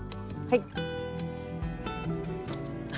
はい。